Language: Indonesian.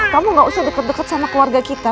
kamu gak usah deket deket sama keluarga kita